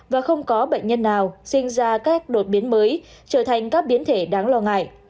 và không có bệnh nhân nào sinh ra các đột biến mới trở thành các biến thể đáng lo ngại